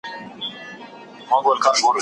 { لَعَلَّكُمْ تَعْقِلُونَ } د عقل پر ارزښت دلالت کوي.